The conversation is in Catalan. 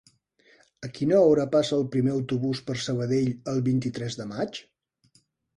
A quina hora passa el primer autobús per Sabadell el vint-i-tres de maig?